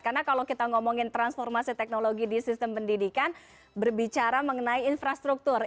karena kalau kita ngomongin transformasi teknologi di sistem pendidikan berbicara mengenai infrastruktur